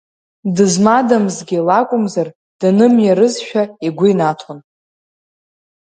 Дызмадамзгьы лакәымзар данымиарызшәа игәы инаҭон.